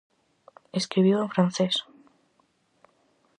Escribiu en francés.